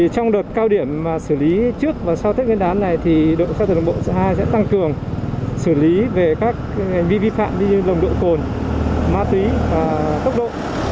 trong đợt cao điểm xử lý trước và sau thết nguyên đán này đội cảnh sát giao thông đường bộ số hai sẽ tăng cường xử lý về các vi vi phạm như lồng độ cồn ma túy và tốc độ